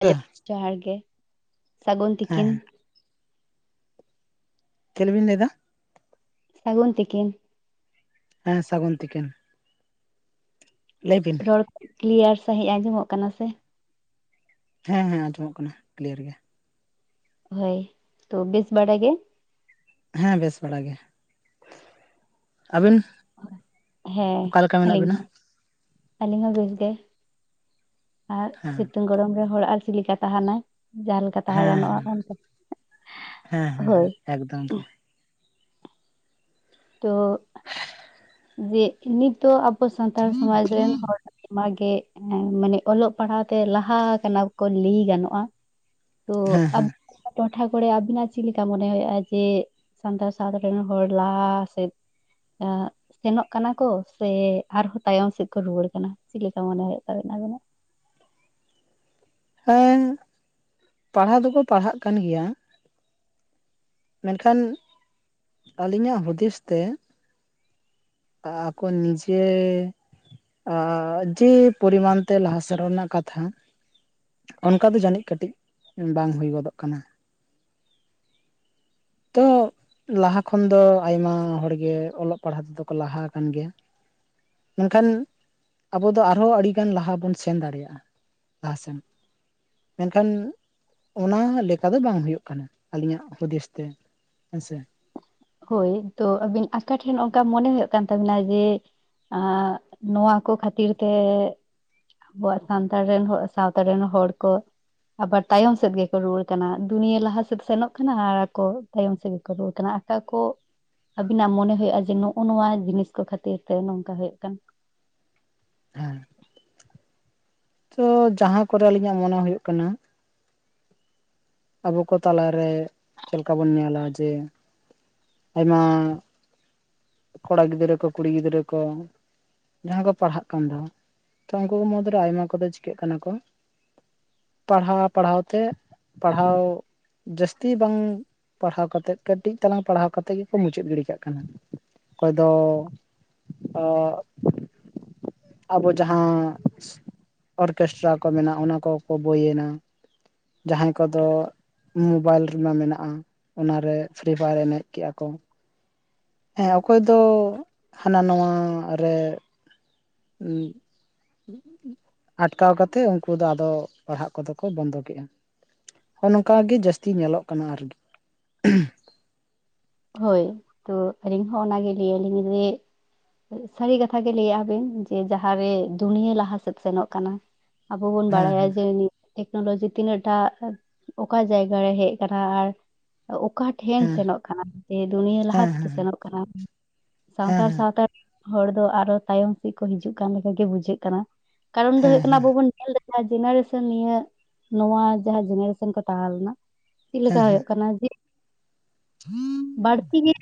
Hello ᱡᱚᱦᱟᱨ ᱜᱮ ᱥᱟᱹᱜᱩᱱ ᱛᱤᱠᱤᱱ ᱦᱮᱸ ᱪᱮᱫᱵᱮᱱ ᱞᱟᱹᱭᱫᱟ ᱥᱟᱹᱜᱩᱱ ᱛᱤᱠᱤᱱ ᱦᱮᱸ ᱥᱟᱹᱜᱩᱱ ᱛᱤᱠᱤᱱ ᱞᱟᱹᱭ ᱵᱤᱱ ᱨᱚᱲ ᱠᱚ ᱠᱞᱤᱭᱟᱨ ᱥᱟᱺᱦᱤᱡ ᱟᱸᱡᱚᱢᱚᱜ ᱠᱟᱱᱟ ᱥᱮ ᱦᱮᱸ ᱦᱮᱸ ᱟᱸᱡᱚᱢᱚᱜ ᱠᱟᱱᱟ ᱠᱞᱤᱭᱟᱨ ᱜᱮ ᱦᱳᱭ ᱛᱚ ᱵᱮᱥ ᱵᱟᱲᱟ ᱜᱮ ᱦᱮᱸ ᱵᱮᱥ ᱵᱟᱲᱟ ᱜᱮ᱾ ᱟᱵᱤᱱ? ᱦᱮᱸ ᱟᱹᱞᱤᱧ ᱦᱚᱸ ᱟᱹᱞᱤᱧ ᱦᱚᱸ ᱵᱮᱥ ᱜᱮ᱾ ᱟᱨ ᱦᱮᱸ ᱥᱤᱛᱩᱝ ᱜᱚᱨᱚᱢ ᱨᱮ ᱦᱚᱲ ᱟᱨ ᱪᱮᱫ ᱞᱮᱠᱟ ᱛᱟᱦᱮᱱᱟᱭ ᱡᱟᱦᱟᱸᱞᱮᱠᱟᱼᱼ ᱛᱟᱦᱮᱸ ᱦᱮᱸ ᱜᱟᱱᱚᱜᱼᱟ ᱚᱱᱠᱟ ᱦᱮᱸ ᱦᱮᱸ ᱦᱳᱭ᱾ ᱦᱮᱸ ᱮᱠᱫᱚᱢ ᱜᱮ᱾ ᱛᱚᱼᱼ ᱡᱮ ᱱᱤᱛᱚᱜ ᱟᱵᱚ ᱥᱟᱱᱛᱟᱲ ᱥᱚᱢᱟᱡᱽ ᱨᱮᱱ ᱦᱚᱲᱼᱼ ᱟᱭᱟᱜᱮ ᱢᱟᱱᱮ ᱚᱞᱚᱜ ᱯᱟᱲᱦᱟᱣ ᱛᱮ ᱞᱟᱦᱟ ᱠᱟᱱᱟ ᱠᱚ ᱞᱟᱹᱭ ᱜᱟᱱᱚᱜᱼᱟᱼᱼ ᱛᱚ ᱦᱮᱸ ᱦᱮᱸ ᱟᱵᱤᱱᱟᱜ ᱴᱚᱴᱷᱟ ᱠᱚᱨᱮ ᱟᱵᱤᱱᱟᱜ ᱪᱮᱫ ᱞᱮᱠᱟ ᱢᱚᱱᱮ ᱦᱩᱭᱩᱜᱼᱟ? ᱡᱮᱼᱼ ᱥᱟᱱᱛᱟᱲ ᱥᱟᱫᱷᱟᱨᱚᱱ ᱦᱚᱲ ᱞᱟᱦᱟ ᱥᱮ ᱮ ᱥᱮᱱᱚᱜ ᱠᱟᱱᱟ ᱠᱚ ᱥᱮ ᱟᱨᱦᱚᱸ ᱛᱟᱭᱚᱢ ᱥᱮᱫ ᱠᱚ ᱨᱩᱣᱟᱹᱲ ᱠᱟᱱᱟ ᱪᱮᱫ ᱞᱮᱠᱟ ᱢᱚᱱᱮ ᱦᱩᱭᱩᱜ ᱛᱟᱵᱮᱱᱟ ᱟᱵᱤᱱᱟᱜ? ᱦᱮᱸ᱾ ᱯᱟᱲᱦᱟᱣ ᱫᱚᱠᱚ ᱯᱟᱲᱦᱟᱜ ᱠᱟᱱ ᱜᱮᱭᱟᱼᱼ ᱢᱮᱱᱠᱷᱟᱱ ᱟᱹᱞᱤᱧᱟᱜ ᱦᱩᱫᱤᱥ ᱛᱮᱼᱼ ᱟᱠᱚ ᱱᱤᱡᱮᱼᱼ ᱡᱮ ᱯᱚᱨᱤᱢᱟᱱ ᱛᱮ ᱞᱟᱦᱟ ᱥᱮᱱᱚᱜ ᱨᱮᱱᱟᱜ ᱠᱟᱛᱷᱟᱼᱼ ᱚᱱᱠᱟ ᱫᱚ ᱡᱟᱹᱱᱤᱡ ᱠᱟᱹᱴᱤᱡ ᱵᱟᱝ ᱦᱩᱭ ᱜᱚᱫᱚᱜ ᱠᱟᱱᱟ᱾ [inaudible] ᱛᱚ ᱞᱟᱦᱟ ᱠᱷᱚᱱ ᱫᱚ ᱟᱭᱢᱟ ᱦᱚᱲ ᱜᱮ ᱚᱞᱚᱜ ᱯᱟᱲᱦᱟᱜ ᱛᱮᱫᱚᱼᱼ ᱠᱚ ᱞᱟᱦᱟ ᱟᱠᱟᱱ ᱜᱮᱭᱟ᱾ ᱢᱮᱱᱠᱷᱟᱱ ᱟᱵᱚ ᱫᱚ ᱟᱨᱦᱚᱸ ᱟᱹᱰᱤᱜᱟᱱ ᱞᱟᱦᱟ ᱵᱚᱱ ᱥᱮᱱ ᱫᱟᱲᱮᱭᱟᱜᱼᱟ᱾ ᱞᱟᱦᱟᱥᱮᱱ ᱢᱮᱱᱠᱷᱟᱱᱼᱼ ᱚᱱᱟ ᱞᱮᱠᱟ ᱫᱚ ᱵᱟᱝ ᱦᱩᱭᱩᱜ ᱠᱟᱱᱟ ᱟᱹᱞᱤᱧᱟᱜ ᱦᱩᱫᱤᱥ ᱛᱮ ᱦᱮᱸᱥᱮᱼᱼ ᱦᱳᱭ ᱛᱚ ᱟᱵᱤᱱ ᱟᱠᱟ ᱴᱷᱮᱱ ᱚᱱᱠᱟ ᱢᱚᱱᱮ ᱦᱩᱭᱩᱜ ᱠᱟᱱ ᱛᱟᱵᱤᱱᱟ ᱡᱮᱼᱼ ᱱᱚᱣᱟ ᱠᱚ ᱠᱷᱟᱹᱛᱤᱨ ᱛᱮᱼᱼ ᱟᱵᱚᱣᱟᱜ ᱥᱟᱶᱛᱟ ᱨᱮᱱ ᱦᱚᱲ ᱠᱚᱼᱼ ᱟᱵᱟᱨ ᱛᱟᱭᱚᱢ ᱥᱮᱫ ᱜᱮᱠᱚ ᱨᱩᱣᱟᱹᱲ ᱠᱟᱱᱟ ᱫᱩᱱᱤᱭᱟᱹ ᱞᱟᱦᱟ ᱥᱮᱫ ᱥᱮᱱᱚᱜ ᱠᱟᱱᱟ ᱟᱨ ᱟᱠᱚᱼᱼ ᱛᱟᱭᱚᱢ ᱥᱮᱫ ᱜᱮᱠᱚ ᱨᱩᱣᱟᱹᱲ ᱠᱟᱱᱟ ᱚᱠᱟ ᱠᱚᱼᱼ ᱟᱵᱤᱱᱟᱜ ᱢᱚᱱᱮ ᱦᱳᱭᱳᱜ ᱡᱮ ᱱᱚᱜᱼᱚ ᱱᱚᱣᱟ ᱡᱤᱱᱤᱥ ᱠᱚ ᱠᱷᱟᱹᱛᱤᱨ ᱛᱮ ᱱᱚᱝᱠᱟ ᱦᱳᱭᱳᱜ ᱠᱟᱱᱟᱼᱼ ᱦᱮᱸ᱾ ᱛᱚ ᱡᱟᱦᱟᱸ ᱠᱚᱨᱮ ᱟᱹᱞᱤᱧᱟᱜ ᱢᱚᱱᱮ ᱦᱩᱭᱩᱜ ᱠᱟᱱᱟᱼᱼ ᱟᱵᱚ ᱠᱚ ᱛᱟᱞᱟᱨᱮ ᱪᱮᱫ ᱞᱮᱠᱟ ᱵᱚᱱ ᱧᱮᱞᱟ ᱡᱮᱼᱼ ᱟᱭᱢᱟ ᱠᱚᱲᱟ ᱜᱤᱫᱽᱨᱟᱹ ᱠᱚ ᱠᱩᱲᱤ ᱜᱤᱫᱽᱨᱟᱹ ᱠᱚᱼᱼ ᱡᱟᱦᱟᱸ ᱠᱚ ᱯᱟᱲᱦᱟᱜ ᱠᱟᱱ ᱫᱚ ᱛᱚ ᱩᱱᱠᱩ ᱠᱚ ᱢᱩᱫᱽᱨᱮ ᱟᱭᱢᱟ ᱠᱚᱫᱚ ᱪᱤᱠᱟᱹᱜ ᱠᱟᱱᱟ ᱠᱚᱼᱼ ᱯᱟᱲᱦᱟᱣ ᱯᱟᱲᱦᱟᱣ ᱛᱮᱼᱼ ᱯᱟᱲᱦᱟᱣᱼᱼ ᱡᱟᱹᱥᱛᱤ ᱵᱟᱝ ᱯᱟᱲᱦᱟᱣ ᱠᱟᱛᱮᱫ ᱠᱟᱹᱴᱤᱡ ᱛᱟᱞᱟᱝ ᱯᱟᱲᱦᱟᱣ ᱠᱟᱛᱮᱫ ᱜᱮᱠᱚ ᱢᱩᱪᱟᱹᱫ ᱜᱤᱰᱤ ᱠᱟᱜ ᱠᱟᱱᱟ᱾ ᱚᱠᱚᱭ ᱫᱚ ᱟᱵᱚ ᱡᱟᱦᱟᱸ ᱚᱨᱠᱮᱥᱴᱟᱨ ᱠᱚ ᱢᱮᱱᱟᱜᱼᱟ ᱚᱱᱟ ᱠᱚ ᱠᱚ ᱵᱟᱹᱭ ᱮᱱᱟ ᱡᱟᱦᱟᱸᱭᱼᱼ ᱠᱚᱫᱚ ᱢᱳᱵᱟᱭᱤᱞ ᱨᱮᱢᱟ ᱢᱮᱱᱟᱜᱼᱟ ᱚᱱᱟ ᱨᱮ ᱯᱷᱨᱤ ᱯᱷᱟᱭᱟᱨ ᱮᱱᱮᱡ ᱠᱮᱫᱼᱟ ᱠᱚ᱾ ᱦᱮᱸ ᱚᱠᱚᱭ ᱫᱚ ᱦᱟᱱᱟ ᱱᱟᱣᱟ ᱨᱮᱼᱼ [unintelligible] ᱟᱴᱠᱟᱣ ᱠᱟᱛᱮᱫ ᱩᱱᱠᱩ ᱫᱚ ᱟᱫᱚ ᱯᱟᱲᱦᱟᱜ ᱠᱚᱫᱚ ᱠᱚ ᱵᱚᱱᱫᱚ ᱠᱮᱫᱟ᱾ ᱱᱚᱸᱜ-ᱚ ᱱᱚᱝᱠᱟ ᱜᱮ ᱡᱟᱹᱥᱛᱤ ᱧᱮᱞᱚᱜ ᱠᱟᱱᱟ ᱟᱨᱠᱤᱼᱼ ᱦᱳᱭ ᱛᱚ ᱟᱹᱞᱤᱧ ᱦᱚᱸ ᱚᱱᱟᱜ ᱞᱟᱹᱭ ᱟᱹᱞᱤᱧ ᱡᱮᱼᱼ ᱥᱟᱹᱨᱤ ᱠᱟᱛᱷᱟᱜ ᱜᱮ ᱞᱟᱹᱭᱮᱫᱼᱟ ᱵᱤᱱ ᱡᱮ ᱡᱟᱦᱟᱸᱨᱮ ᱫᱩᱱᱭᱟᱹ ᱞᱟᱦᱟᱥᱮᱫ ᱥᱮᱱᱚᱜ ᱠᱟᱱᱟᱼᱼ ᱟᱵᱚ ᱵᱚᱱ ᱵᱟᱲᱟᱭᱟ ᱦᱮᱸ ᱡᱮᱼᱼ ᱴᱮᱠᱱᱳᱞᱚᱡᱤ ᱛᱤᱱᱟᱹᱜ ᱴᱟᱜ ᱚᱠᱟ ᱡᱟᱭᱜᱟ ᱨᱮ ᱦᱮᱡ ᱟᱠᱟᱱᱟ ᱟᱨ ᱚᱠᱟᱼᱼ ᱴᱷᱮᱱ ᱦᱮᱸ ᱥᱮᱱᱚᱜ ᱠᱟᱱᱟ ᱡᱮ ᱫᱩᱱᱭᱟᱹ ᱞᱟᱦᱟ ᱦᱮᱸ ᱥᱮᱫ ᱦᱮᱸ ᱥᱮᱱᱚᱜ ᱠᱟᱱᱟ ᱦᱮᱸ ᱥᱟᱱᱛᱟᱲ ᱥᱟᱶᱛᱟᱼᱼ [unintelligible] ᱦᱚᱲ ᱫᱚ ᱟᱨᱚ ᱛᱟᱭᱚᱢ ᱥᱮᱫ ᱠᱚ ᱦᱤᱡᱩᱜ ᱠᱟᱱ ᱞᱮᱠᱟ ᱜᱮ ᱵᱩᱡᱷᱟᱹᱜ ᱠᱟᱱᱟ ᱠᱟᱨᱚᱱ ᱫᱚ ᱦᱩᱭᱩᱜ ᱦᱮᱸ ᱠᱟᱱᱟ ᱦᱮᱸ ᱟᱵᱚ ᱵᱚᱱ ᱧᱮᱞ ᱡᱟᱦᱟᱸ ᱡᱮᱱᱟᱨᱮᱥᱚᱱ ᱱᱤᱭᱟᱹ ᱱᱚᱣᱟ ᱡᱟᱦᱟᱸ ᱡᱮᱱᱟᱨᱮᱥᱚᱱ ᱠᱚ ᱛᱟᱦᱮᱸ ᱞᱮᱱᱟ ᱪᱮᱫ ᱦᱮᱸ ᱞᱮᱠᱟ ᱦᱩᱭᱩᱜ ᱠᱟᱱᱟ ᱡᱮ ᱵᱟᱹᱲᱛᱤ ᱜᱮ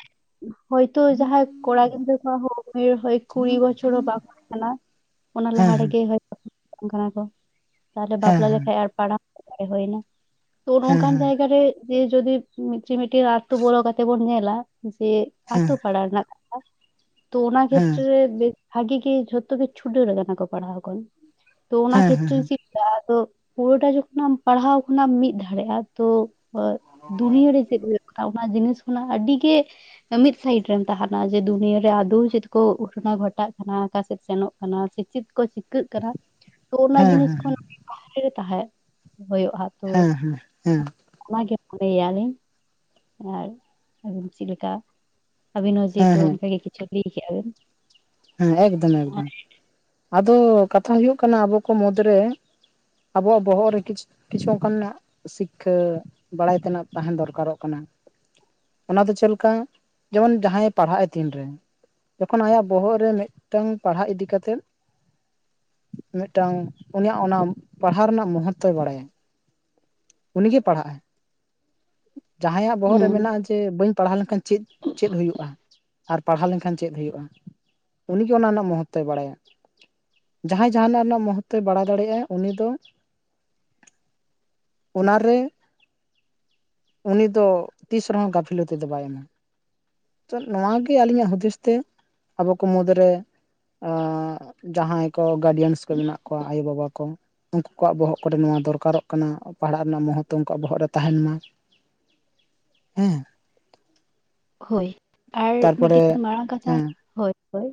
ᱦᱚᱭᱛᱳ ᱡᱟᱦᱟᱸᱭ ᱠᱚᱲᱟ ᱜᱤᱫᱟᱹᱨ ᱦᱚ ᱩᱢᱮᱨ ᱦᱳᱤ ᱠᱩᱲᱤ ᱵᱚᱪᱚᱨ ᱦᱚᱸ ᱵᱟᱝ ᱦᱩᱭ ᱠᱟᱱᱟ ᱚᱱᱟ ᱦᱮᱸ ᱞᱟᱦᱟ ᱨᱮᱜᱮ [unintelligible] ᱦᱚᱭ ᱠᱟᱱᱟ ᱠᱚ ᱛᱟᱦᱚᱞᱮ ᱦᱮᱸ ᱵᱟᱯᱞᱟ ᱞᱮᱠᱷᱟᱱ ᱦᱮᱸ ᱟᱨ ᱯᱟᱲᱟᱣ [unintelligible] ᱦᱩᱭᱱᱟ ᱛᱚ ᱱᱚᱝᱠᱟᱱ ᱡᱟᱭᱜᱟ ᱨᱮ ᱡᱮ ᱡᱚᱫᱤ ᱢᱤᱴᱤᱡ ᱢᱤᱴᱤᱡ ᱟᱛᱚ ᱵᱚᱞᱚ ᱠᱟᱛᱮ ᱛᱮᱵᱩᱱ ᱧᱮᱞᱟ ᱡᱮ ᱦᱮᱸ ᱟᱛᱳ ᱯᱟᱲᱟ ᱨᱮᱱᱟᱜ ᱠᱟᱛᱷᱟ ᱛᱚ ᱚᱱᱟ ᱦᱮᱸ ᱠᱮᱛᱨᱮ ᱨᱮ ᱵᱮᱥ ᱵᱷᱟᱜᱤ ᱜᱮᱤ ᱡᱷᱚᱛᱚ ᱠᱤᱪᱷᱩ ᱪᱷᱩᱰᱟ. ᱨ ᱠᱟᱱᱟ ᱠᱚ ᱯᱟᱲᱦᱟᱣ ᱠᱚᱱ ᱛᱚ ᱚᱱᱟ ᱦᱮᱸ ᱦᱮᱸ ᱦᱮᱸ ᱠᱷᱮᱛᱨᱮ ᱨᱮ ᱪᱮᱫ ᱠᱟ ᱛᱚ ᱯᱩᱨᱟᱹᱴᱟ ᱡᱚᱠᱷᱚᱱᱮᱢ ᱯᱟᱲᱦᱟᱣ ᱠᱷᱚᱱᱟᱢ ᱢᱤᱫ ᱫᱷᱟᱨᱮᱜᱼᱟ ᱛᱳ ᱫᱩᱱᱭᱟᱹ ᱨᱮ ᱪᱮᱫ ᱦᱩᱭᱩᱜ ᱠᱟᱱᱟ ᱚᱱᱟ ᱡᱤᱱᱤᱥ ᱠᱷᱚᱱᱟᱜ ᱟᱹᱰᱤᱜᱮᱼᱼ ᱢᱤᱫ ᱥᱟᱭᱤᱰ ᱨᱮᱢ ᱛᱟᱦᱮᱱᱟ ᱡᱮ ᱫᱩᱱᱭᱟᱹᱨᱮ ᱟᱫᱚ ᱪᱮᱫ ᱠᱚ ᱜᱷᱚᱴᱚᱱᱟ ᱜᱷᱚᱴᱟᱜ ᱠᱟᱱᱟ ᱚᱠᱟᱥᱮᱫ ᱥᱮᱱᱚᱜ ᱠᱟᱱᱟ ᱥᱮ ᱪᱮᱫᱼᱼ ᱠᱚ ᱪᱤᱠᱟᱹᱜ ᱠᱟᱱᱟ ᱛᱚ ᱚᱱᱟ ᱦᱮᱸ ᱦᱮᱸ ᱡᱤᱱᱤᱥ ᱠᱷᱚᱱ ᱵᱟᱦᱨᱮ ᱨᱮ ᱛᱟᱦᱮᱸ ᱦᱩᱭᱩᱜᱼᱟ ᱦᱮᱸ ᱦᱮᱸ ᱦᱮᱸ ᱟᱱᱟ ᱜᱮ ᱢᱚᱱᱮᱭᱟᱞᱤᱧ ᱟᱨ ᱟᱵᱚ ᱪᱮᱫ ᱞᱮᱠᱟ ᱟᱵᱤᱱ ᱦᱚᱸ ᱦᱮᱸ ᱦᱮᱸ ᱡᱮᱦᱮᱛᱩ ᱦᱮᱸ ᱚᱱᱠᱟᱜᱮ ᱠᱤᱪᱷᱩ ᱞᱟᱹᱭ ᱠᱮᱼᱟ ᱵᱤᱱ ᱦᱮᱸ ᱮᱠᱫᱚᱢ ᱮᱠᱫᱚᱢ ᱟᱫᱚ ᱠᱟᱛᱷᱟ ᱦᱩᱭᱩᱜ ᱠᱟᱱᱟ ᱟᱵᱚ ᱠᱚ ᱢᱩᱫᱽ ᱨᱮ ᱟᱵᱚᱣᱟᱜ ᱵᱚᱦᱚᱜ ᱨᱮ ᱠᱤᱪᱷᱩ ᱠᱤᱪᱷᱩ ᱚᱱᱠᱟ ᱱᱟᱜ ᱥᱤᱠᱠᱷᱟ ᱵᱟᱲᱟᱭ ᱛᱮᱱᱟᱜ ᱛᱟᱦᱮᱸ ᱫᱚᱨᱠᱟ ᱨᱚᱜ ᱠᱟᱱᱟ ᱚᱱᱟ ᱫᱚ ᱪᱮᱫ ᱞᱮᱠᱟ ᱡᱮᱢᱚᱱ ᱡᱟᱦᱟᱸᱭᱮ ᱯᱟᱲᱦᱟᱜᱼᱟ ᱛᱤᱱᱨᱮ ᱡᱚᱠᱷᱚᱱ ᱟᱭᱟᱜ ᱵᱚᱦᱚᱜ ᱨᱮ ᱢᱤᱫ ᱴᱟᱝ ᱯᱟᱲᱦᱟᱜ ᱤᱫᱤ ᱠᱟᱛᱮᱫ ᱢᱤᱫᱴᱟᱝ ᱩᱱᱤᱭᱟᱜ ᱚᱱᱟ ᱯᱟᱲᱦᱟᱣ ᱨᱮᱱᱟᱜ ᱢᱚᱦᱚᱛᱛᱚᱭ ᱵᱟᱲᱟᱭᱟ ᱩᱱᱤᱜᱮ ᱯᱟᱲᱦᱟᱜᱼ ᱟᱭ ᱡᱟᱦᱟᱸᱭᱟᱜ ᱵᱚᱦᱚᱜ ᱨᱮ ᱦᱩᱸ ᱢᱮᱱᱟᱜᱼᱟ ᱡᱮ ᱡᱮ ᱵᱟᱹᱧ ᱯᱟᱲᱦᱟᱣ ᱞᱮᱱᱠᱷᱟᱱ ᱪᱮᱫ ᱪᱮᱫ ᱦᱩᱭᱩᱜᱼᱟ ᱟᱨ ᱯᱟᱲᱦᱟᱣ ᱞᱮᱱᱠᱷᱟᱱ ᱪᱮᱫ ᱦᱩᱭᱩᱜᱼᱟ ᱩᱱᱤ ᱜᱮ ᱚᱱᱟ ᱨᱮᱱᱟᱜ ᱢᱚᱦᱚᱛᱛᱚᱭ ᱵᱟᱲᱟᱭᱟ ᱡᱟᱦᱟᱭ ᱡᱟᱦᱟ ᱱᱟᱜ ᱨᱮᱱᱟᱜ ᱢᱚᱦᱚᱛᱛᱚᱭ ᱵᱟᱲᱟᱭ ᱫᱟᱲᱮᱭᱟᱜ ᱟᱭ ᱩᱱᱤ ᱫᱚ ᱚᱱᱟ ᱨᱮ ᱩᱱᱤ ᱫᱚ ᱛᱤᱥ ᱨᱮ ᱦᱚᱸ ᱜᱟᱹᱯᱷᱤᱞᱚᱛᱤ ᱫᱚ ᱵᱟᱭ ᱮᱢᱟ ᱛᱚ ᱱᱚᱣᱟ ᱜᱮ ᱟᱹᱞᱤᱧ ᱟᱜ ᱦᱩᱫᱤᱥ ᱛᱮ ᱟᱵᱚ ᱠᱚ ᱢᱩᱫᱽᱨᱮ ᱡᱟᱦᱟᱭ ᱠᱚ ᱜᱟᱰᱤᱭᱟᱱᱥ ᱠᱚ ᱢᱮᱱᱟᱜ ᱠᱚᱣᱟ ᱟᱭᱳᱼᱵᱟᱵᱟ ᱠᱚ ᱩᱱ ᱠᱩ ᱠᱚᱣᱟᱜ ᱵᱚᱦᱚᱜ ᱠᱚᱨᱮ ᱱᱚᱣᱟ ᱫᱚᱨᱠᱟᱨᱚᱜ ᱠᱟᱱᱟ ᱯᱟᱲᱦᱟᱜ ᱨᱮᱱᱟᱜ ᱢᱚᱦᱚᱛᱛᱚ ᱩᱱᱠᱩᱣᱟᱜ ᱵᱚᱦᱚᱜ ᱨᱮ ᱛᱟᱦᱮᱱ ᱢᱟ ᱦᱮᱸ ᱦᱳᱭ ᱟᱨ ᱢᱤᱫ ᱴᱤᱡ ᱛᱟᱨᱯᱚᱨᱮ ᱢᱟᱨᱟᱝ ᱠᱟᱛᱷᱟ ᱦᱮᱸ ᱦᱳᱭ ᱦᱳᱭ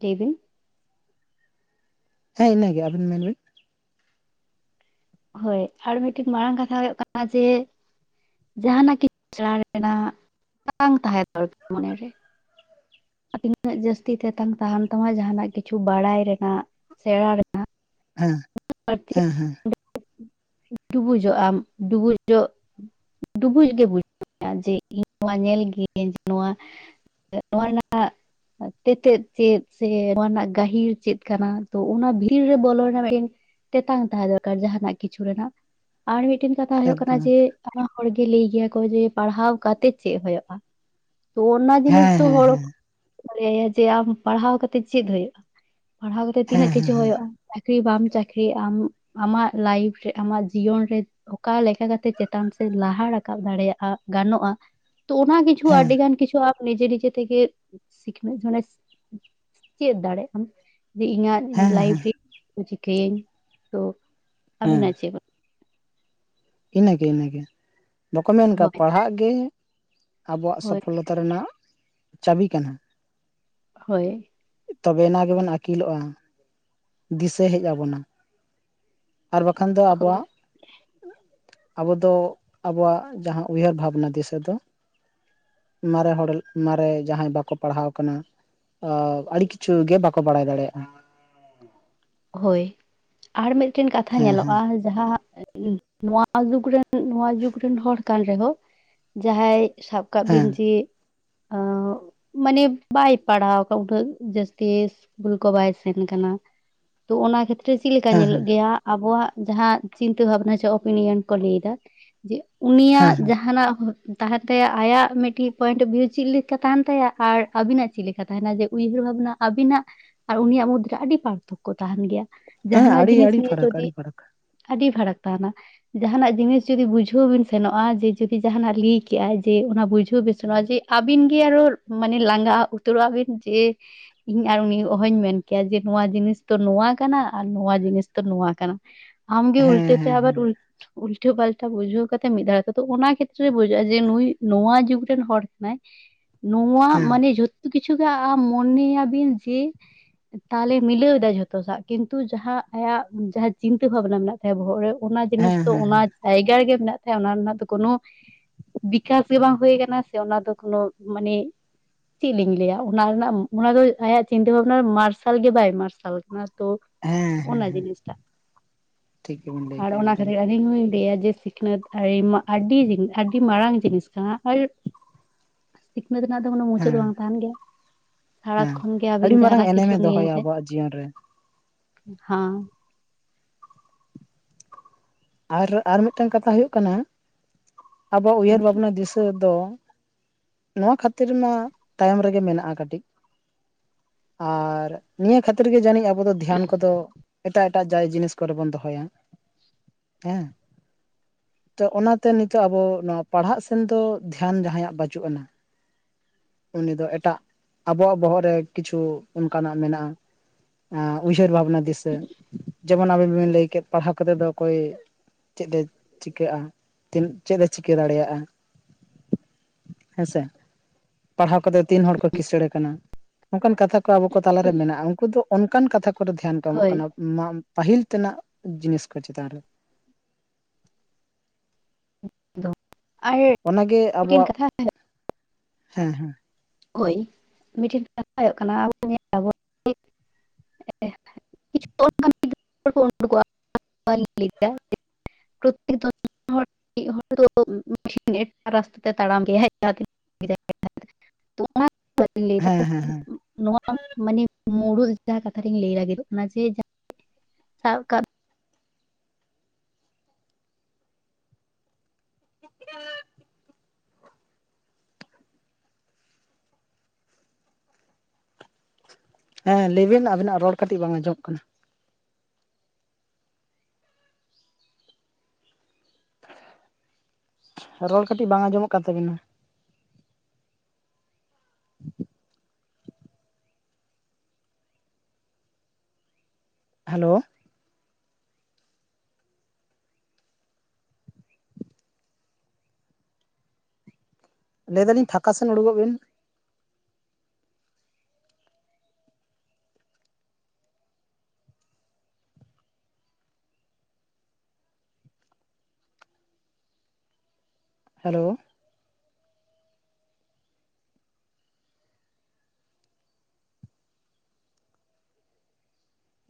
ᱞᱟᱹᱭ ᱵᱤᱱ ᱦᱮᱸ ᱤᱱᱟᱹ ᱜᱮ ᱟᱵᱮᱱ ᱢᱮᱱ ᱵᱤᱱ ᱦᱳᱭ ᱟᱨ ᱢᱤᱫ ᱴᱤᱡ ᱢᱟᱨᱟᱝ ᱠᱟᱛᱷᱟ ᱦᱩᱭᱩᱜ ᱠᱟᱱᱟ ᱡᱮ ᱡᱟᱦᱟᱱᱟᱜ ᱠᱤᱪ ᱥᱮᱬᱟ ᱨᱮᱱᱟᱜ ᱛᱮᱛᱟᱝ ᱛᱟᱦᱮᱸ ᱫᱚᱨᱠᱟᱨ ᱢᱚᱱᱮ ᱨᱮ ᱛᱤᱱᱟᱹᱜ ᱡᱟᱹᱥᱛᱤ ᱛᱮᱛᱟᱝ ᱛᱟᱦᱮᱱ ᱛᱟᱢᱟ ᱡᱟᱦᱟᱱᱟᱜ ᱠᱤᱪᱷᱩ ᱵᱟᱲᱟᱭ ᱨᱮᱱᱟᱜ ᱥᱮᱬᱟ ᱨᱮ ᱦᱮᱸ ᱦᱮᱸ ᱦᱮᱸ [unintelligible] ᱰᱩᱵᱩᱡᱚᱜ ᱟᱢ ᱰᱩᱵᱩ ᱡᱚᱜ ᱰᱩᱵᱩᱡ ᱜᱮ ᱵᱩᱡᱷᱟᱹᱣ ᱢᱮᱭᱟ ᱡᱮ ᱤᱧ ᱱᱚᱣᱟ ᱧᱮᱞ ᱜᱤᱭᱟᱹᱧ ᱱᱚᱣᱟ ᱱᱚᱣᱟ ᱨᱮᱱᱟᱜ ᱛᱤ ᱛᱮᱫ ᱪᱮᱫ ᱥᱮ ᱱᱚᱣᱟ ᱨᱮᱱᱟᱜ ᱜᱟᱹᱦᱤᱨ ᱪᱮᱫ ᱠᱟᱱᱟ ᱛᱚ ᱚᱱᱟ ᱵᱷᱤᱲ ᱨᱮ ᱵᱚᱞᱚ ᱨᱮᱱᱟᱜ ᱢᱤᱫ ᱴᱮᱱ ᱛᱮᱛᱟᱝ ᱛᱟᱦᱮᱸ ᱫᱚᱨᱠᱟᱨ ᱡᱟᱦᱟ ᱱᱟᱜ ᱠᱤᱪᱷᱩ ᱨᱮᱱᱟᱜ ᱟᱨ ᱢᱤᱫ ᱴᱮᱱ ᱠᱟᱛᱷᱟ ᱦᱩᱭᱩᱜ ᱠᱟᱱᱟ ᱮᱠᱫᱚᱢ ᱡᱮ ᱟᱭᱢᱟ ᱦᱚᱲ ᱜᱮ ᱞᱟᱹᱭ ᱜᱮᱭᱟ ᱠᱚ ᱡᱮ ᱯᱟᱲᱦᱟᱣ ᱠᱟᱛᱮᱜ ᱪᱮᱫ ᱦᱳᱭᱳᱜᱼᱟ ᱛᱚ ᱚᱱᱟ ᱡᱤᱱᱤᱥ ᱦᱮᱸ ᱫᱚ ᱦᱮᱸ ᱦᱚᱲ ᱦᱮᱸ ᱠᱚ ᱞᱟ. ᱭᱟ ᱡᱮ ᱟᱢ ᱯᱟᱲᱦᱟᱣ ᱠᱟᱛᱮ ᱪᱮᱫ ᱦᱳᱭᱳᱜᱼᱟ ᱯᱟᱲᱦᱟᱣ ᱠᱟᱛᱮᱫ ᱦᱮᱸ ᱛᱤᱱᱟᱹᱜ ᱦᱮᱸ ᱠᱤᱪᱷᱩ ᱦᱩᱭᱩᱜᱼᱟ ᱪᱟᱹᱠᱨᱤ ᱵᱟᱢ ᱪᱟᱹᱠᱨᱤ ᱟᱢ ᱟᱢᱟᱜ ᱞᱟ. ᱭᱤᱯᱷ ᱨᱮ ᱟᱢᱟᱜ ᱡᱤᱭᱚᱱ ᱨᱮ ᱚᱠᱟ ᱞᱮᱠᱟ ᱠᱟᱛᱮᱜ ᱪᱮᱛᱟᱱ ᱥᱮᱫ ᱞᱟᱦᱟ ᱨᱟᱠᱟᱵ ᱫᱟᱲᱮᱭᱟᱜᱼᱟ ᱜᱟᱱᱚᱜᱼᱟ ᱛᱚ ᱚᱱᱟ ᱠᱤᱪᱷᱩ ᱦᱮᱸ ᱟᱹᱰᱤ ᱜᱟᱱ ᱠᱤᱪᱷᱩ ᱟᱯ ᱱᱤᱡᱮ ᱱᱤᱡᱮ ᱛᱮᱜᱮ ᱥᱤᱠᱷᱱᱟᱹᱛ ᱱᱚᱰᱮ ᱪᱮᱫ ᱫᱟᱲᱮ ᱟᱢ ᱡᱮ ᱤᱧᱟᱹᱜ ᱫᱤᱱ ᱦᱮᱸ ᱦᱮᱸ ᱞᱟᱭᱤᱵᱽᱨᱮ ᱪᱤᱠᱟᱹᱭᱮᱧ ᱛᱚ ᱦᱮᱸ ᱟᱵᱤᱱᱟᱜ ᱪᱮᱫ ᱵᱚ ᱤᱱᱟᱹᱜᱮ ᱤᱱᱟᱹᱜᱮ ᱵᱟᱠᱚ ᱢᱮᱱ ᱠᱟᱜᱼᱟ ᱦᱳᱭ ᱯᱟᱲᱦᱟᱜ ᱜᱮ ᱟᱵᱚᱣᱟᱜ ᱦᱳᱭ ᱥᱚᱯᱷᱚᱞᱚᱛᱟ ᱨᱮᱱᱟᱜ ᱪᱟᱵᱤ ᱠᱟᱱᱟ ᱦᱳᱭ ᱛᱚᱵᱮᱱᱟ ᱜᱮᱵᱚᱱ ᱟᱹᱠᱤᱞᱚᱜᱼᱟ ᱫᱤᱥᱟᱹ ᱦᱮᱡ ᱟᱵᱚᱱᱟ ᱟᱨ ᱵᱟᱠᱷᱟᱱ ᱫᱚ ᱦᱳᱭ ᱟᱵᱚᱣᱟᱜ ᱟᱵᱚ ᱫᱚ ᱟᱵᱚᱣᱟᱜ ᱡᱟᱦᱟ ᱩᱭᱦᱟᱹᱨ ᱵᱷᱟᱵᱱᱟ ᱫᱤᱥᱟᱹ ᱫᱚ ᱢᱟᱨᱮ ᱦᱚᱲ ᱢᱟᱨᱮ ᱡᱟᱦᱟᱸᱭ ᱵᱟᱠᱚ ᱯᱟᱲᱦᱟᱣ ᱟᱠᱟᱱᱟ ᱚ ᱟᱹᱰᱤ ᱠᱤᱪᱷᱩ ᱜᱮ ᱵᱟᱠᱚ ᱵᱟᱲᱟᱭ ᱫᱟᱲᱮᱭᱟᱜᱼᱟ ᱦᱳᱭ ᱟᱨ ᱢᱤᱫᱴᱮᱱ ᱠᱟᱛᱷᱟ ᱦᱮᱸ ᱦᱮᱸ ᱧᱮᱞᱚᱜᱼᱟ ᱡᱟᱦᱟ ᱱᱚᱣᱟ ᱡᱩᱜᱽ ᱨᱮᱱ ᱱᱚᱣᱟ ᱡᱩᱜᱽ ᱨᱮᱱ ᱦᱚᱲ ᱠᱟᱱ ᱨᱮᱦᱚᱸ ᱡᱟᱦᱟᱸᱭ ᱥᱟᱵ ᱠᱟᱜ ᱦᱮᱸ ᱵᱤᱱ ᱡᱮ ᱢᱟᱱᱮ ᱵᱟᱭ ᱯᱟᱲᱦᱟᱣ ᱟᱠᱟᱫ ᱩᱱᱟᱹᱜ ᱡᱟᱹᱥᱛᱤ ᱤᱥᱠᱩᱞ ᱠᱚ ᱵᱟᱭ ᱥᱮᱱ ᱠᱟᱱᱟ ᱛᱚ ᱚᱱᱟ ᱠᱷᱮᱛᱨᱮ ᱪᱮᱫ ᱞᱮᱠᱟ ᱦᱮᱸ ᱧᱮᱞᱚᱜ ᱦᱮᱸ ᱜᱮᱭᱟ ᱟᱵᱚᱣᱟᱜ ᱡᱟᱦᱟ ᱪᱤᱱᱛᱟᱹ ᱵᱷᱟᱵᱽᱱᱟ ᱥᱮ ᱚᱯᱤᱱᱤᱭᱚᱱ ᱠᱚ ᱞᱟᱹᱭ ᱫᱟ ᱡᱮ ᱩᱱᱤᱭᱟᱜ ᱡᱟᱦᱟᱱᱟᱜ ᱛᱟᱦᱮᱱ ᱛᱟᱭᱟ ᱟᱭᱟᱜ ᱢᱤᱫᱴᱤᱡ ᱯᱚᱭᱮᱱᱴ ᱚᱯᱷ ᱵᱷᱤᱭᱩ ᱪᱮᱫ ᱞᱮᱠᱟ ᱛᱟᱦᱮᱱ ᱛᱟᱭᱟ ᱟᱨ ᱟᱵᱤᱱᱟᱜ ᱪᱮᱫ ᱞᱮᱠᱟ ᱛᱟᱦᱮᱱᱟ ᱡᱮ ᱩᱭᱦᱟᱹᱨ ᱵᱷᱟᱵᱽᱱᱟ ᱟᱵᱤᱱᱟᱜ ᱟᱨ ᱩᱱᱤᱭᱟᱜ ᱢᱩᱫᱽᱨᱮ ᱟᱹᱰᱤ ᱯᱟᱨᱛᱷᱚᱠ ᱠᱚ ᱛᱟᱦᱮᱱ ᱜᱮᱭᱟ ᱦᱮᱸ ᱡᱟᱦᱟᱱᱟᱜ ᱟᱹᱰᱤ ᱡᱤᱱᱤᱥ ᱟᱹᱰᱤ ᱱᱤᱭᱮ ᱯᱷᱟᱨᱟᱠ ᱡᱚᱫᱤ ᱟᱹᱰᱤ ᱯᱷᱟᱨᱟᱠ ᱟᱹᱰᱤ ᱯᱷᱟᱨᱟᱠ ᱛᱟᱦᱮᱱᱟ ᱡᱟᱦᱟᱱᱟᱜ ᱡᱤᱱᱤᱥ ᱡᱩᱫᱤ ᱵᱩᱡᱷᱟᱹᱣ ᱵᱤᱱ ᱥᱮᱱᱚᱜᱼᱟ ᱡᱮ ᱡᱩᱫᱤ ᱡᱟᱦᱟᱱᱟᱜ ᱞᱟᱹᱭ ᱠᱮᱜᱼᱟᱭ ᱡᱮ ᱚᱱᱟ ᱵᱩᱡᱷᱟᱹᱣ ᱵᱤᱱ ᱥᱮᱱᱚᱜᱼᱟ ᱡᱮ ᱟᱹᱵᱤᱱ ᱜᱮ ᱟᱨᱚ ᱢᱟᱱᱮ ᱞᱟᱸᱜᱟ ᱩᱛᱟᱹᱨᱚᱜ-ᱟ ᱵᱤᱱ ᱡᱮ ᱤᱧ ᱟᱨ ᱩᱱᱤ ᱚᱦᱚᱧ ᱢᱮᱱ ᱠᱮᱭᱟ ᱡᱮ ᱱᱚᱣᱟ ᱡᱤᱱᱤᱥ ᱛᱚ ᱱᱚᱣᱟ ᱠᱟᱱᱟ ᱟᱨ ᱱᱚᱣᱟ ᱡᱤᱱᱤᱥ ᱛᱚ ᱱᱚᱣᱟ ᱠᱟᱱᱟ ᱟᱢᱜᱮ ᱦᱮᱸ ᱩᱞᱴᱟᱹ ᱛᱮ ᱦᱮᱸ ᱟᱵᱟᱨ ᱦᱮᱸ ᱩᱞ ᱩᱞᱴᱟᱹ ᱯᱟᱞᱴᱟ ᱵᱩᱡᱷᱟᱹᱣ ᱠᱟᱛᱮᱫ ᱢᱤᱫ ᱫᱷᱟᱣ ᱛᱮᱫᱚ ᱚᱱᱟ ᱠᱷᱮᱛᱨᱮ ᱵᱩᱡᱷᱟᱹᱜᱼᱟ ᱡᱮ ᱱᱩᱭ ᱱᱚᱣᱟ ᱡᱩᱜᱽ ᱨᱮᱱ ᱦᱚᱲ ᱠᱟᱱᱟᱭ ᱱᱚᱣᱟ ᱦᱮᱸ ᱢᱟᱱᱮ ᱡᱚᱛᱚ ᱠᱤᱪᱷᱩᱜᱮ ᱟᱢ ᱢᱚᱱᱮᱭᱟᱵᱤᱱ ᱡᱮ ᱛᱟᱞᱮ ᱢᱤᱞᱟᱹᱣ ᱮᱫᱟ ᱡᱚ ᱡᱚᱛᱚᱥᱟᱜ ᱠᱤᱱᱛᱩ ᱡᱟᱦᱟᱸ ᱟᱭᱟᱜ ᱡᱟᱦᱟᱸ ᱪᱤᱱᱛᱟᱹ ᱵᱷᱟᱵᱱᱟ ᱢᱮᱱᱟᱜ ᱛᱟᱭᱟ ᱵᱚᱦᱚᱜ ᱨᱮ ᱚᱱᱟ ᱡᱤᱱᱤᱥ ᱦᱮᱸ ᱫᱚ ᱦᱮᱸ ᱚᱱᱟ ᱦᱮᱸ ᱴᱟᱭᱜᱟᱨ ᱜᱮ ᱢᱮᱱᱟᱜ ᱛᱟᱭᱟ ᱚᱱᱟ ᱨᱮᱱᱟᱜ ᱫᱚ ᱠᱳᱱᱳᱭ ᱵᱤᱠᱟᱥ ᱜᱮ ᱵᱟᱝ ᱦᱩᱭ ᱟᱠᱟᱱᱟ ᱥᱮ ᱚᱱᱟ ᱫᱚ ᱠᱚᱱᱚ ᱢᱟᱱᱮ ᱪᱮᱫ ᱞᱤᱧ ᱞᱟᱹᱭᱟ ᱚᱱᱟ ᱨᱮᱱᱟᱜ ᱚᱱᱟ ᱫᱚ ᱟᱭᱟᱜ ᱪᱤᱱᱛᱟᱹ ᱵᱷᱟᱵᱱᱟ ᱢᱟᱨᱥᱟᱞ ᱜᱮ ᱵᱟᱭ ᱢᱟᱨᱥᱟᱞ ᱚᱱᱟ ᱛᱚ ᱦᱮᱸ ᱦᱮᱸ ᱚᱱᱟ ᱦᱮᱸ ᱡᱤᱱᱤᱥᱴᱟᱜ ᱴᱷᱤᱠ ᱜᱮᱵᱤᱱ ᱞᱟᱹᱭ ᱟᱨ ᱠᱮᱜᱼᱟ ᱚᱱᱟ ᱮᱠᱫᱚᱢ ᱠᱷᱟᱹᱛᱤᱨ ᱤᱧ ᱦᱩᱸᱧ ᱞᱟᱹᱭᱟ ᱡᱮ ᱥᱤᱠᱷᱱᱟᱹᱛ ᱟᱹᱰᱤ ᱟᱹᱰᱤ ᱟᱹᱰᱤ ᱢᱟᱨᱟᱝ ᱡᱤᱱᱤᱥ ᱠᱟᱱᱟ ᱟᱨ [inaudible] ᱥᱤᱠᱷᱱᱟᱹᱛ ᱨᱮᱱᱟᱜ ᱫᱚ ᱠᱳᱱᱚ ᱢᱩᱪᱟᱹᱫ ᱫᱚ ᱦᱮᱸ ᱵᱟᱝ ᱛᱟᱦᱮᱱ ᱜᱮᱭᱟ ᱥᱟᱨᱟ ᱦᱮᱸ ᱠᱷᱚᱱᱜᱮ ᱟᱹᱵᱤᱱ ᱟᱹᱰᱤ ᱢᱟᱨᱟᱝ ᱡᱟᱦᱟᱱᱟᱜ ᱠᱤᱪᱷᱩ ᱮᱱᱮᱢᱮ ᱫᱚᱦᱚᱭᱟ ᱱᱤᱭᱟᱹᱛᱮ ᱟᱵᱚᱣᱟᱜ ᱡᱤᱭᱚᱱ ᱨᱮ ᱦᱟᱸ ᱟᱨ ᱟᱨ ᱢᱤᱫᱴᱟᱝ ᱠᱟᱛᱷᱟ ᱦᱳᱭᱳᱜ ᱠᱟᱱᱟ ᱟᱵᱚ ᱩᱭᱦᱟᱹᱨ ᱵᱷᱟᱵᱽᱱᱟ ᱫᱤᱥᱟᱹ ᱫᱚ ᱱᱚᱣᱟ ᱠᱷᱟᱹᱛᱤᱨ ᱢᱟ ᱛᱟᱭᱚᱢ ᱨᱮᱜᱮ ᱢᱮᱱᱟᱜᱼᱟ ᱠᱟᱹᱴᱤᱡ ᱟᱨ ᱱᱤᱭᱟᱹ ᱠᱷᱟᱹᱛᱤᱨ ᱜᱮ ᱡᱟᱹᱱᱤᱡ ᱟᱵᱚ ᱫᱚ ᱫᱷᱮᱭᱟᱱ ᱠᱚᱫᱚ ᱮᱴᱟᱜ ᱮᱴᱟᱜ ᱡᱟᱭ ᱡᱤᱱᱤᱥ ᱠᱚᱨᱮ ᱵᱚᱱ ᱫᱚᱦᱚᱭᱟ ᱦᱮᱸ ᱛᱚ ᱚᱱᱟᱛᱮ ᱱᱤᱛᱚᱜ ᱟᱵᱚ ᱱᱚᱣᱟ ᱯᱟᱲᱦᱟᱜ ᱥᱮᱱ ᱫᱚ ᱫᱷᱮᱭᱟᱱ ᱡᱟᱦᱟᱸᱭᱟᱜ ᱵᱟᱹᱪᱩᱜ ᱟᱱᱟ ᱩᱱᱤ ᱫᱚ ᱮᱴᱟᱜ ᱟᱵᱚᱣᱟᱜ ᱵᱚᱦᱚᱜ ᱨᱮ ᱠᱤᱪᱷᱩ ᱚᱱᱠᱟᱱᱟᱜ ᱢᱮᱱᱟᱜᱼᱟ ᱟᱸ ᱩᱭᱦᱟᱹᱨ ᱵᱷᱟᱵᱱᱟ ᱫᱤᱥᱟᱹ ᱡᱮᱢᱚᱱ ᱟᱵᱮᱱ ᱵᱮᱤᱱ ᱞᱟᱹᱭ ᱠᱮᱫ ᱯᱟᱲᱦᱟᱣ ᱠᱟᱛᱮᱫ ᱫᱚ ᱚᱠᱚᱭ ᱪᱮᱫ ᱮ ᱪᱤᱠᱟᱹᱜᱼᱟ ᱛᱤᱱ ᱪᱮᱫ ᱮ ᱪᱤᱠᱟᱹ ᱫᱟᱲᱮᱭᱟᱜᱼᱟ ᱦᱮᱸᱥᱮ ᱯᱟᱲᱦᱟᱣ ᱠᱟᱛᱮ ᱛᱤᱱ ᱦᱚᱲ ᱠᱚ ᱠᱤᱥᱟᱹᱬ ᱠᱟᱱᱟ ᱱᱚᱱᱠᱟᱱ ᱠᱟᱛᱷᱟ ᱠᱚ ᱟᱵᱚ ᱠᱚ ᱛᱟᱞᱟᱨᱮ ᱢᱮᱱᱟᱜᱼᱟ ᱩᱱᱠᱩ ᱫᱚ ᱚᱱᱠᱟᱱ ᱠᱟᱛᱷᱟ ᱠᱚ ᱚᱠᱚᱭᱫᱚ ᱫᱷᱮᱭᱟᱱ ᱠᱚ ᱮᱢᱚᱜ ᱦᱳᱭ ᱠᱟᱱᱟ ᱢᱟ ᱯᱟᱹᱦᱤᱞ ᱛᱮᱱᱟᱜ ᱡᱤᱱᱤᱥ ᱠᱚ ᱪᱮᱛᱟᱱ ᱨᱮ ᱟᱨ ᱚᱱᱟᱜᱮ ᱢᱤᱫᱴᱮᱱ ᱟᱵᱚᱣᱟᱜ ᱠᱟᱛᱷᱟ ᱦᱮᱸ ᱦᱮᱸ ᱦᱳᱭ ᱢᱤᱫᱴᱮᱱ ᱠᱟᱛᱷᱟ ᱦᱩᱭᱩᱜ ᱠᱟᱱᱟ ᱟᱵ... [unintelligible] [unintelligible] ᱼᱼ [unintelligible] ᱦᱚᱲ ᱢᱤᱫ ᱦᱚᱲ ᱫᱚ [unintelligible] ᱼᱼ ᱨᱟᱥᱛᱟ ᱛᱮ ᱛᱟᱲᱟᱢ ᱜᱮ ᱡᱟᱦᱟᱸᱱᱟᱹ ᱦᱮᱸ ᱦᱮᱸ ᱦᱮᱸ [inaudible] ᱱᱚᱣᱟ ᱢᱟᱱᱮ ᱢᱩᱲᱩᱫ ᱡᱟᱦᱟᱸ ᱠᱟᱛᱷᱟ ᱨᱤᱧ ᱞᱟᱹᱜᱤᱫᱚᱜ [unintelligible] ᱡᱮ [inaudible] ᱥᱟᱵ ᱠᱟᱜ [inaudible] ᱦᱮᱸ ᱞᱟᱹᱭᱵᱤᱱ ᱟᱵᱤᱱᱟᱜ ᱨᱚᱲ ᱠᱟᱹᱴᱤᱡ ᱵᱟᱝ ᱟᱸᱡᱚᱢᱚᱜ ᱠᱟᱱᱟ ᱨᱚᱲ ᱠᱟᱹᱴᱤᱡ ᱵᱟᱝ ᱟᱸᱡᱚᱢᱚᱜ ᱠᱟᱱ ᱛᱟᱵᱤᱱᱟ ᱦᱮᱞᱳ ᱞᱟᱹᱭᱮᱫᱟᱞᱤᱧ ᱯᱷᱟᱸᱠᱟᱥᱮᱱ ᱩᱰᱩᱠᱚᱜ ᱵᱤᱱ ᱦᱮᱞᱳ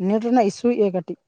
ᱱᱮᱴ ᱨᱮᱱᱟᱜ ᱤᱥᱩᱭᱮᱜᱼᱟᱭ ᱠᱟᱹᱴᱤᱡ